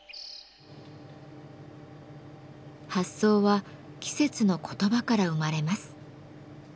発想は季節の言葉から生まれます。